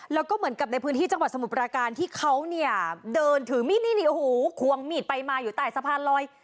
แล้วก็เหมือนกับในพื้นที่จังหวัดสมุทราการที่เขาเนี่ยเดินถือมีดนี่นี่โอ้โหควงมีดไปมาอยู่ใต้สะพานลอย